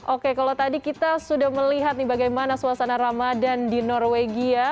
oke kalau tadi kita sudah melihat nih bagaimana suasana ramadan di norwegia